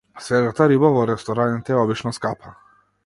Свежата риба во рестораните е обично скапа.